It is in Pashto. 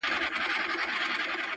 زه هم خطا وتمه,